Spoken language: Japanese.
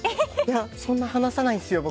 そんな離さないんですよ、僕。